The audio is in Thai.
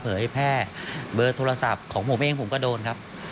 เผยแพร่เบอร์โทรศัพท์ของผมเองผมก็โดนครับ